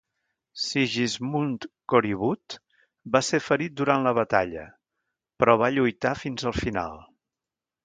Sigismund Korybut va ser ferit durant la batalla, però va lluitar fins al final.